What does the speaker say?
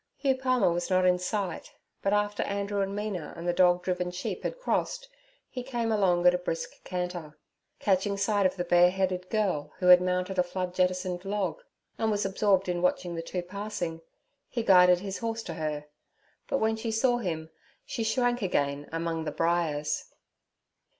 Hugh Palmer was not in sight, but after Andrew and Mina and the dog driven sheep had crossed, he came along at a brisk canter. Catching sight of the bareheaded girl, who had mounted a flood jettisoned log, and was absorbed in watching the two passing, he guided his horse to her; but when she saw him she shrank again among the briars.